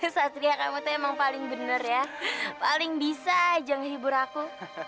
satria kamu tuh emang paling bener ya paling bisa ajang ribur aku